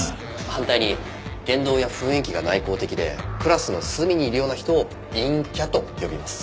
反対に言動や雰囲気が内向的でクラスの隅にいるような人を「陰キャ」と呼びます。